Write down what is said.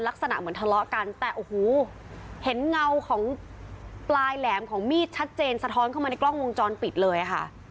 ลักษณะเหมือนทะเลาะกันแต่โอ้โหเห็นเงาของปลายแหลมของมีดชัดเจนสะท้อนเข้ามาในกล้องวงจรปิดเลยค่ะ